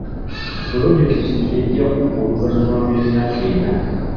Pulojekiti ejja kuggwa oluvannyuma lw'emyaka ena.